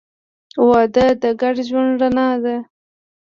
• واده د ګډ ژوند رڼا ده.